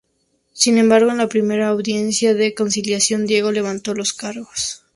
Sin embargo, en la primera audiencia de conciliación, Diego levantó los cargos.